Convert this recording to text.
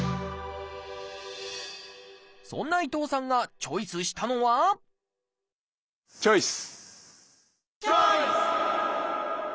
そんな伊藤さんがチョイスしたのはチョイス！